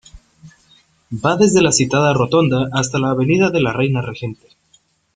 Va desde la citada rotonda hasta la avenida de la Reina Regente.